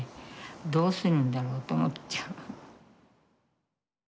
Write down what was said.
どうするんだろうと思っちゃう。